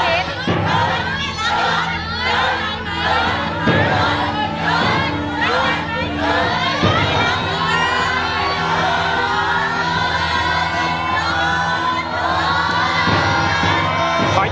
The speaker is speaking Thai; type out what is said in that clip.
หยุดหยุด